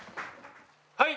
はい！